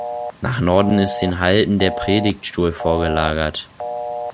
Nach Norden ist den Halten der Predigtstuhl vorgelagert.